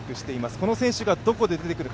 この選手がどこで出てくるか